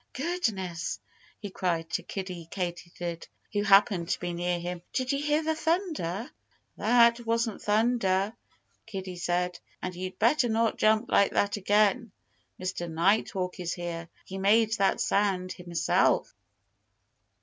"Goodness!" he cried to Kiddie Katydid, who happened to be near him. "Did you hear the thunder?" "That wasn't thunder," Kiddie said. "And you'd better not jump like that again. Mr. Nighthawk is here. He made that sound himself."